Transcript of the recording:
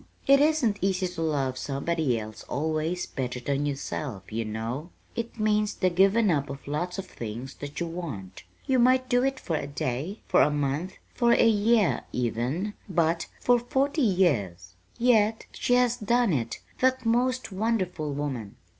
It isn't easy to love somebody else always better than yourself, you know! It means the giving up of lots of things that you want. You might do it for a day, for a month, for a year even but for forty years! Yet she has done it that most wonderful woman.